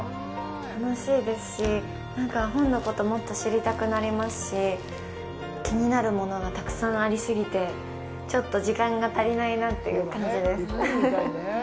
楽しいですし本のこともっと知りたくなりますし気になるものがたくさんありすぎてちょっと時間が足りないなという感じです。